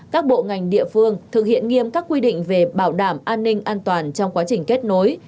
các bộ ngành địa phương thực hiện nghiêm các quy định về bảo đảm an ninh an toàn trong quá trình kết nối